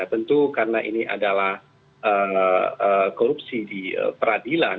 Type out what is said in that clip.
tentu karena ini adalah korupsi di peradilan